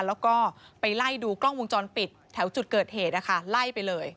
แล้วก็ไปไล่ดูกล้องวงจรปิดแถวจุดเกิดเหตุนะคะไล่ไปเลย